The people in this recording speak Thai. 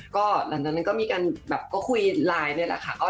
ก็หลังจากนั้นก็มีการแบบก็คุยไลน์นี่แหละค่ะ